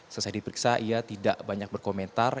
selesai diperiksa ia tidak banyak berkomentar